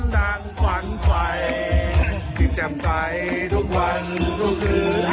แฮปปี้เบิร์สเจทูยู